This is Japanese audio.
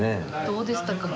どうでしたか？